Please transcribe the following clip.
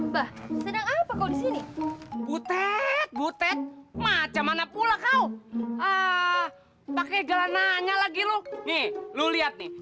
bahkan apa kau disini butet butet macam mana pula kau ah pakai jalananya lagi lu nih lu lihat nih